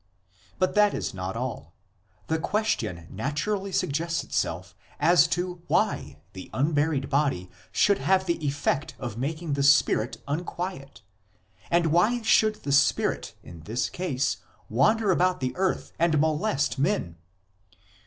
But that is not all. The question naturally suggests itself as to why the unburied body should have the effect of making the spirit unquiet ; and why should the spirit in this case wander about the earth and molest men